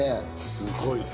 すごいっすね。